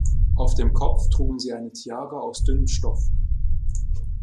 Auf dem Kopf trugen sie eine Tiara aus dünnem Stoff.